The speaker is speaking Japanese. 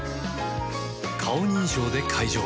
顔認証で解錠